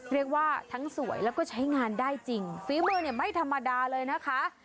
เรียกว่าทั้งสวยแล้วก็ใช้งานได้จริงฝีมือเนี่ยไม่ธรรมดาเลยนะคะ